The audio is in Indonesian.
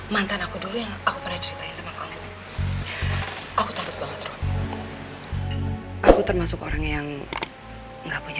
mantan aku dulu yang aku pernah ceritain sama kalian aku takut banget aku termasuk orang yang enggak punya